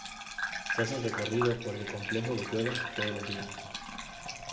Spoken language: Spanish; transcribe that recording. Se hacen recorridos por el complejo de cuevas todos los días.